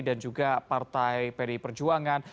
dan juga partai pdi perjuangan